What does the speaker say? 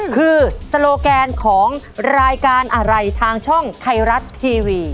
คือโซโลแกนของรายการอะไรทางช่องไทยรัฐทีวี